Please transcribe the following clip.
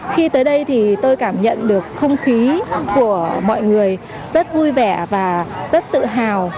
khi tới đây thì tôi cảm nhận được không khí của mọi người rất vui vẻ và rất tự hào